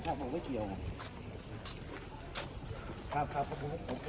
ผมไม่กล้าด้วยผมไม่กล้าด้วยผมไม่กล้าด้วย